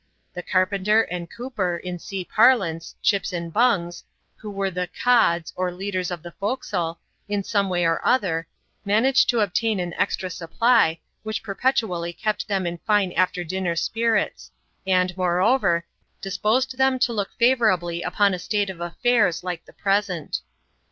The carpenter and cooper, in sea parlance, Chips and Bungs, who were the "Cods,", or leaders of the forecastle, in some way or other, managed to obtain an extra supply, which perpetually kept them in fine after dinner spirits, and, moreover, disposed them to look favourably upon a state of affairs like the present.